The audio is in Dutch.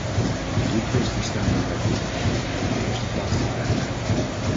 Drie kwesties staan daarbij voorop: in de eerste plaats de veiligheid.